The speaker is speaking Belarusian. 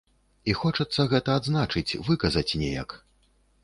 І хочацца гэта адзначыць, выказаць неяк.